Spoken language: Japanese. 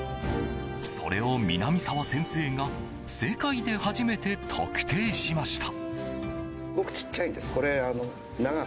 それを南澤先生が世界で初めて特定しました。